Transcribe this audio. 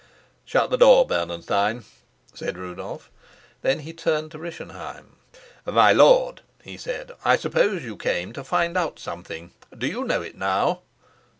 "Shut the door, Bernenstein," said Rudolf. Then he turned to Rischenheim. "My lord," he said, "I suppose you came to find out something. Do you know it now?"